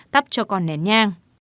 tắp cho con nén nhang